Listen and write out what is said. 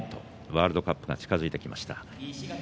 ワールドカップが近づいてきました。